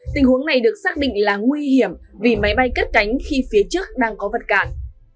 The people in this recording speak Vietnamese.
tình huống này được xác định là nguy hiểm vì máy bay cất cánh khi phía trước đang có vật cản